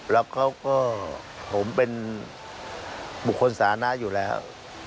แล้วเขาก็ผมเป็นบุคคลสาธารณะอยู่แล้ว